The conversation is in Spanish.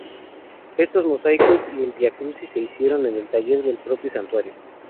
Estos mosaicos y el vía crucis se hicieron en el taller del propio santuario.